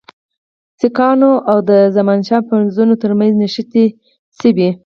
سیکهانو او د زمانشاه پوځونو ترمنځ نښتې سوي.